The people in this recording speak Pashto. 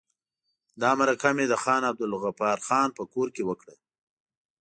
دا مرکه مې د خان عبدالغفار خان په کور کې وکړه.